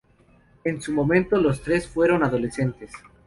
En su momento, los tres fueron adolescentes.